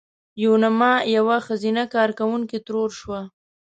یوناما یوه ښځینه کارکوونکې ترور شوه.